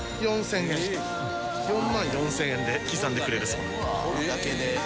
４万４０００円で刻んでくれるそうです。